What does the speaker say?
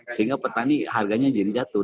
sehingga petani harganya jadi jatuh